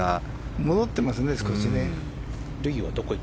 戻ってますね、少し。